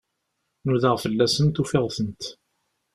Nudaɣ fell-asent, ufiɣ-tent.